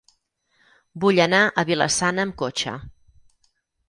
Vull anar a Vila-sana amb cotxe.